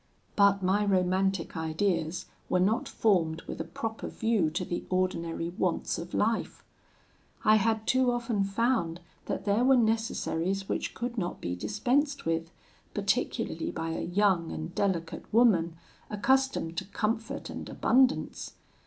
"But my romantic ideas were not formed with a proper view to the ordinary wants of life. I had too often found that there were necessaries which could not be dispensed with, particularly by a young and delicate woman, accustomed to comfort and abundance.